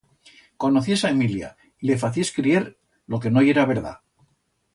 Conociés a Emilia y li faciés crier lo que no yera verdat.